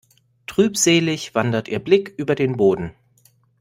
Trübselig wandert ihr Blick über den Boden.